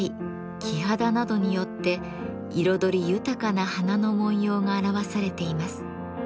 黄蘗などによって彩り豊かな花の紋様が表されています。